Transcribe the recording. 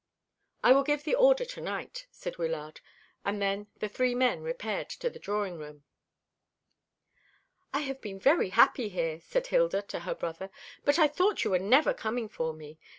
"I will give the order to night," said Wyllard; and then the three men repaired to the drawing room. "I have been very happy here," said Hilda to her brother; "but I thought you were never coming for me.